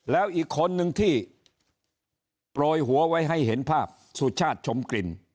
แล้วอีกคนนึงที่โปรยหัวไว้ให้เห็นภาพสุชาติชมกลิ่น